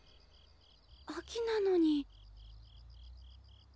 秋なのに。